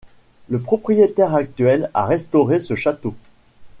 Le propriétaire actuel a restauré ce château.